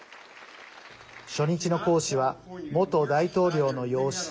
初日の講師は元大統領の養子